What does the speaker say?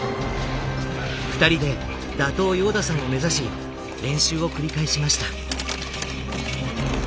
２人で打倒ヨーダさんを目指し練習を繰り返しました。